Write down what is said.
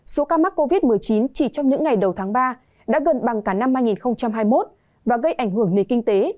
số ca mắc covid một mươi chín chỉ trong những ngày đầu tháng ba đã gần bằng cả năm hai nghìn hai mươi một và gây ảnh hưởng nền kinh tế